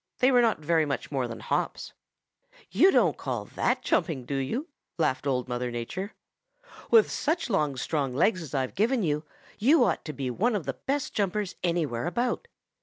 They were not much more than hops. 'You don't call that jumping, do you?' laughed Old Mother Nature. 'With such long, strong legs as I've given you, you ought to be one of the best jumpers anywhere about.